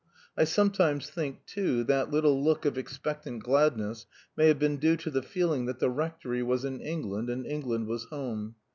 I sometimes think, too, that little look of expectant gladness may have been due to the feeling that the Rectory was in England, and England was home.